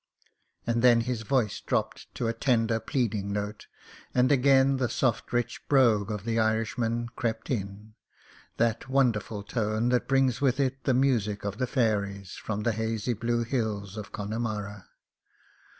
And then his voice dropped to a tender, plead ing note — and again the soft, rich brogue of the Irish man crept in — that wonderful tone that brings with it the music of the fairies from the hazy blue hills of Connemara.